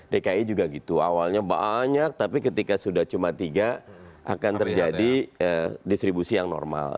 dki juga gitu awalnya banyak tapi ketika sudah cuma tiga akan terjadi distribusi yang normal